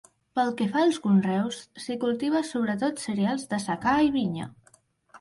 Pel que fa als conreus, s'hi cultiva sobretot cereals de secà i vinya.